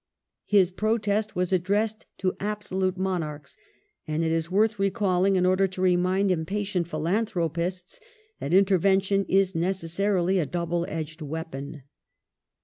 His protest was addressed to absolute Monarchs, and it is worth recalling in order to remind impatient philanthropists that intervention is necessarily a double edged weapon.